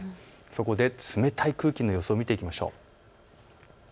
そこで冷たい空気の予想を見ていきましょう。